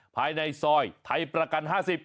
ภายในซอยไทยประกัน๕๐